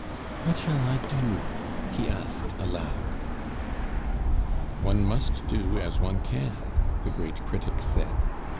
"What shall I do?" he asked aloud. "One must do as one can," the great critic said.